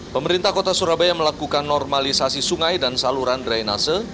pemerintah kota surabaya melakukan normalisasi sungai dan saluran drainase